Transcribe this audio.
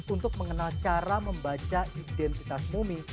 untuk mengenal cara membaca identitas mumi